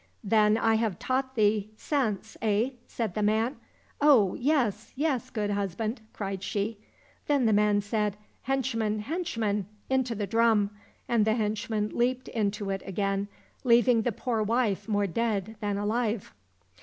—" Then I have taught thee sfense, eh .f^ " said the man. —'' Oh, yes, yes, good hus band !" cried she. Then the man said :" Henchmen, henchmen ! into the drum !" and the henchmen leaped into it again, leaving the poor wife more dead than alive.